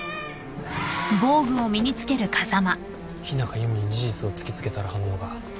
日中弓に事実を突き付けたら反応が。